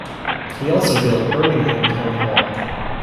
He also built Birmingham Town Hall.